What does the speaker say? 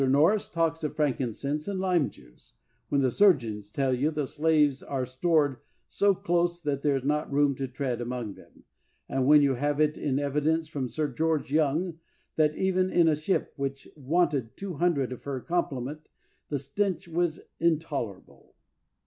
Norris talks of frankincense and lime 64 WILBERFORCE juice : when the surgeons tell you the slaves are stored so close that there is not room to tread among them; and when you have it in evidence from Sir George Young, that even in a ship which wanted two hundred of her complement, the stench was intolerable.